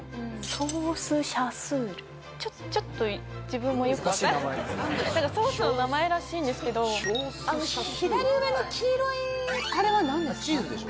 ソースシャスールちょっと自分もよく分からないソースの名前らしいんですけどあの左上の黄色いあれは何ですか？